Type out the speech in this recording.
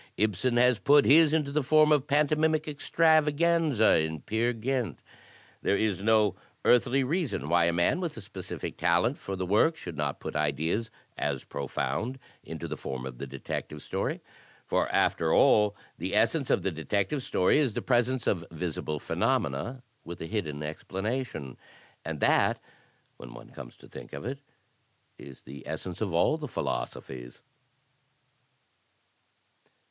Ibsen has put his into the form of pantomimic extravaganza in 'Peer Gynt.' There is no earthly reason why a man with a specific talent for the work should not put ideas as profound into fthe form of the detective story. For after all the essence of ' the detective story is the presence of visible phenomena with a hidden explanation. And that, when one comes to think of it, is the essence of all the philosophies."